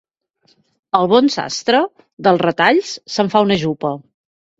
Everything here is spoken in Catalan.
El bon sastre, dels retalls se'n fa una jupa.